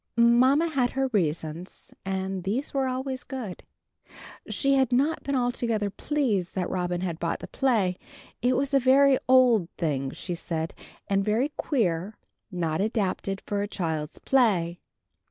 Mamma had her reasons, and these were always good. She had not been altogether pleased that Robin had bought the play. It was a very old thing, she said, and very queer; not adapted for a child's play.